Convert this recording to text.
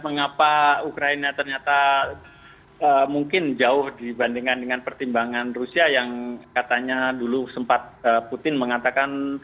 mengapa ukraina ternyata mungkin jauh dibandingkan dengan pertimbangan rusia yang katanya dulu sempat putin mengatakan